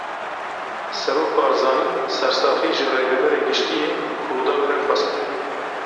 Serok Barzanî sersaxî ji Rêveberê Giştî yê Rûdawê re xwest.